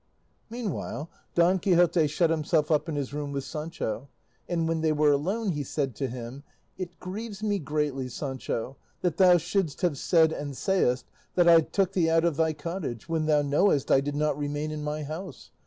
Meanwhile Don Quixote shut himself up in his room with Sancho, and when they were alone he said to him, "It grieves me greatly, Sancho, that thou shouldst have said, and sayest, that I took thee out of thy cottage, when thou knowest I did not remain in my house.